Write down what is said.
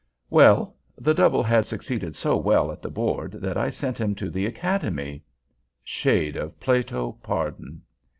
Well! The double had succeeded so well at the Board, that I sent him to the Academy. (Shade of Plato, pardon!)